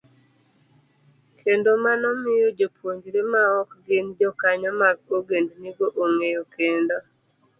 kendo mano miyo jopuonjre maok gin jokanyo mag ogendnigo ong'eyo kendo